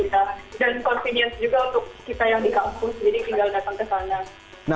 jadi tinggal datang ke sana